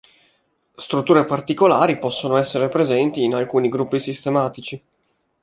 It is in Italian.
Strutture particolari possono essere presenti in alcuni gruppi sistematici.